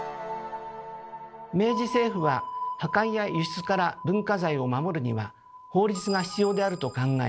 明治政府は破壊や輸出から文化財を守るには法律が必要であると考え